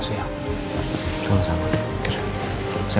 saya akan berbicara dengan mereka